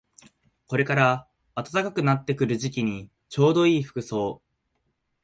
これから暖かくなってくる季節にちょうどいい服装